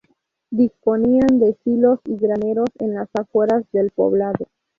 Disponían de silos y graneros en las afueras del poblado.